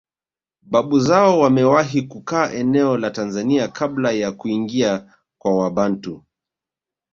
Babu zao wamewahi kukaa eneo la Tanzania kabla ya kuingia kwa Wabantu